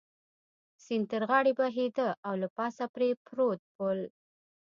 سیند تر غاړې بهېده او له پاسه پرې پروت پل.